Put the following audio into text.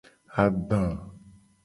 Agba.